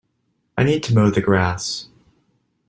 I need to mow the grass.